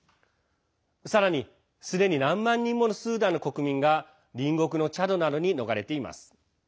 さらに、すでに何万人ものスーダンの国民が隣国のチャドなどに逃れています。